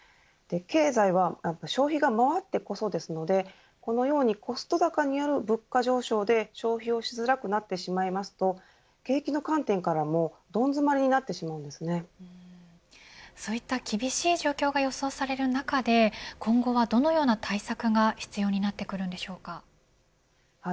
経済は消費が回ってこそですのでこのようにコスト高による物価上昇で消費をしづらくなってしまいますと景気の観点からも、どん詰まりにそういった厳しい状況が予想される中で今後は、どのような対策が必要になってくるんでしょうか。